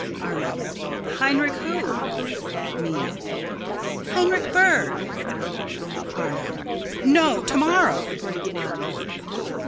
Arno: Heinrich who? Minna: Heinrich Berg. Arno: No. To morrow.